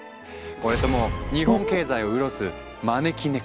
これってもう日本経済を潤す招きネコ！